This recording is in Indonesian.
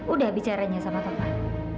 udah bicaranya sama tovan